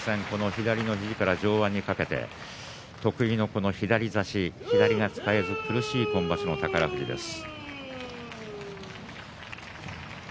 左の肘から上腕にかけて得意の左差し、左が使えず苦しい宝富士です。